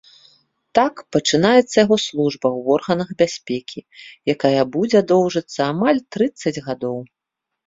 Так пачынаецца яго служба ў органах бяспекі, якая будзе доўжыцца амаль трыццаць гадоў.